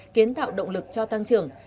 kiến tạo động lực cho tăng trưởng